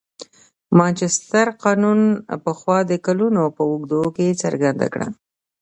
مانچستر قانون پخوا د کلونو په اوږدو کې څرګنده کړه.